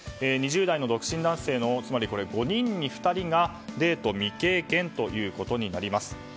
２０代の独身男性の５人に２人がデート未経験ということになります。